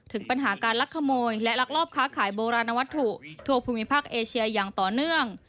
ถึงปัญหาการลักขโมยและลักลอบค้าขายโบราณวัตถุทั่วภูมิภาคเอเชียอย่างต่อเนื่อง